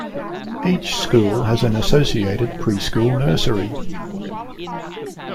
Each school has an associated pre-school nursery.